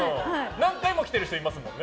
何回も来てる人いますもんね。